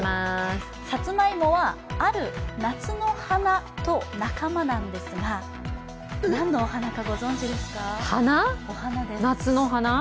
さつまいもはある夏の花と仲間なんですが何のお花かご存じですか？